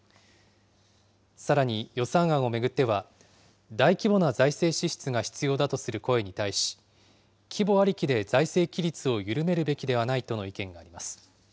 さらに予算案を巡っては、大規模な財政支出が必要だとする声に対し、規模ありきで財政規律を緩めるべきではないとの意見があります。